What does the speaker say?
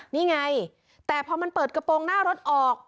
นี่ไงแต่พอมันเปิดกระโปรงหน้ารถออก